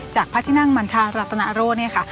จากพระที่นั่งมันธาตุรัตนาโรศน์นี่ค่ะ